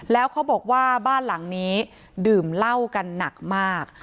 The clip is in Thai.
แล้วเขาบอกว่าบ้านหลังนี้ดื่มเหล้ากันหนักมาก